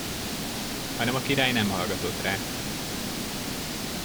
Hanem a király nem hallgatott rá.